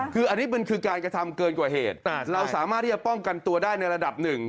คืออันนี้มันคือการกระทำเกินกว่าเหตุเราสามารถที่จะป้องกันตัวได้ในระดับหนึ่ง